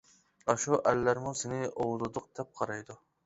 ئاشۇ ئەرلەرمۇ سېنى ئوۋلىدۇق دەپ قارايدۇ.